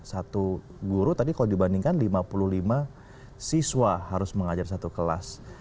satu guru tadi kalau dibandingkan lima puluh lima siswa harus mengajar satu kelas